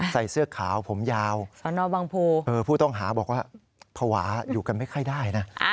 ใส่เสื้อขาวผมยาวสนบังโพผู้ต้องหาบอกว่าภาวะอยู่กันไม่ค่อยได้นะ